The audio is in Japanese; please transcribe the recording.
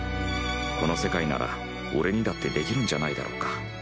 この世界なら俺にだってできるんじゃないだろうか。